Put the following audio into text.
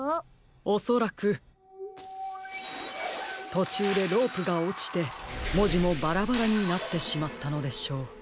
おそらくとちゅうでロープがおちてもじもバラバラになってしまったのでしょう。